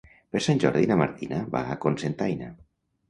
Per Sant Jordi na Martina va a Cocentaina.